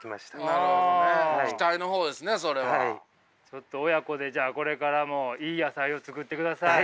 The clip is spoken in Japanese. ちょっと親子でこれからもいい野菜を作ってください。